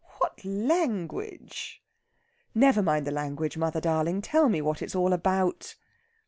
What language!" "Never mind the language, mother darling! Tell me what it's all about."